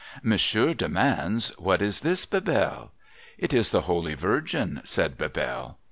' Monsieur demands, what is this, Bebelle ?'' It is the Holy Virgin,' said Bebelle.